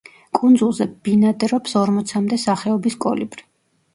კუნძულზე ბინადრობს ორმოცამდე სახეობის კოლიბრი.